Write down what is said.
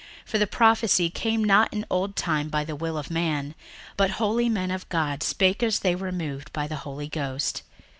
61:001:021 For the prophecy came not in old time by the will of man: but holy men of God spake as they were moved by the Holy Ghost.